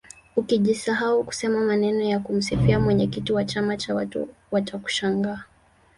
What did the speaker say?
ukijisahau kusema maneno ya kumsifia mwenyekiti wa chama watu watakushangaa